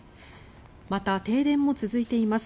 また、停電も続いています。